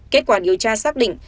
kết quả điều tra xác định